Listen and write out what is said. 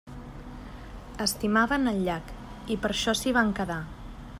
Estimaven el llac, i per això s'hi van quedar.